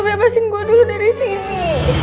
saya bebasin gue dulu dari sini